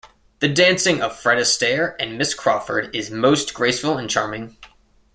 The dancing of Fred Astaire and Miss Crawford is most graceful and charming.